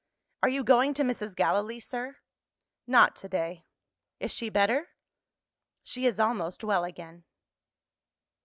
"Are you going to Mrs. Gallilee, sir?" "Not to day." "Is she better?" "She is almost well again."